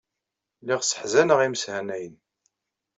Lliɣ sseḥzaneɣ imeshanayen.